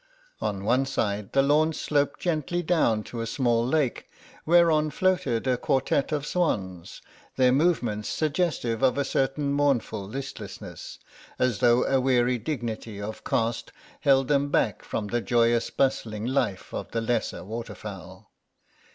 On one side the lawn sloped gently down to a small lake, whereon floated a quartette of swans, their movements suggestive of a certain mournful listlessness, as though a weary dignity of caste held them back from the joyous bustling life of the lesser waterfowl.